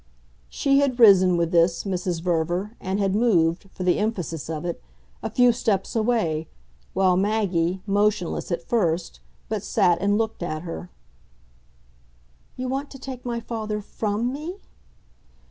She had risen, with this, Mrs. Verver, and had moved, for the emphasis of it, a few steps away; while Maggie, motionless at first, but sat and looked at her. "You want to take my father FROM me?"